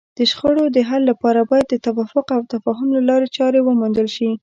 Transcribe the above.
د شخړو د حل لپاره باید د توافق او تفاهم لارې چارې وموندل شي.